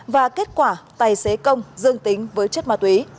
và kết quả tài xế công dương tính với chất ma túy